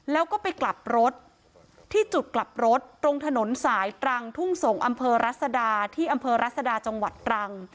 แล้วก็ไปกลับรถที่จุดกลับรถตรงถนนสายตรังทุ่งสงศ์อำเภอรัศดาที่อำเภอรัศดาจังหวัดตรัง